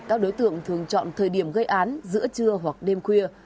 các đối tượng thường chọn thời điểm gây án giữa trưa hoặc đêm khuya